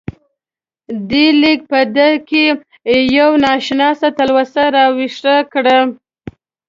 دې لیک په ده کې یوه نا اشنا تلوسه راویښه کړه.